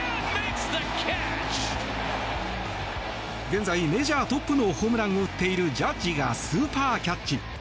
現在、メジャートップのホームランを打っているジャッジがスーパーキャッチ。